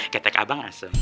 ketek abang asem